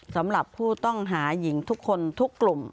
สำหรับผู้ต้องหาหญิงทุกคนทุกกลุ่ม